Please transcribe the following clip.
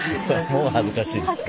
もう恥ずかしいです。